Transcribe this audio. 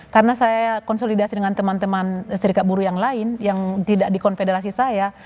karena saya konsolidasi dengan teman teman serikat buruh yang lain yang tidak dikonfederasi saya